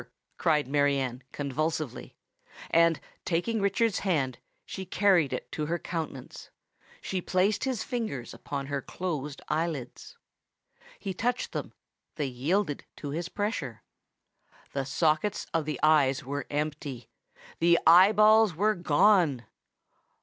cried Mary Anne, convulsively; and, taking Richard's hand, she carried it to her countenance. She placed his fingers upon her closed eye lids. He touched them; they yielded to his pressure. The sockets of the eyes were empty. The eye balls were gone!